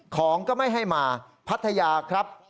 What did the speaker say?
ของก็ไม่ให้มาพัทยาครับ